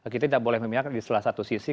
kita tidak boleh memikirkan di salah satu sisi